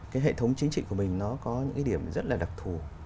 cái hệ thống chính trị của mình nó có những cái điểm rất là đặc thù